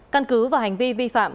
căn cứ vào hành vi vi phạm